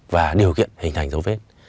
và điều kiện hình thành dấu vết